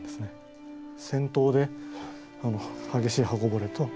戦闘で激しい刃こぼれと